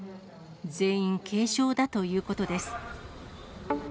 全員軽傷だということです。